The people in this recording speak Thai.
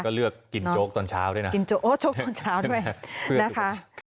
ก็เลือกกินโจ๊กตอนเช้าด้วยนะกินโจ๊กตอนเช้าด้วยนะคะ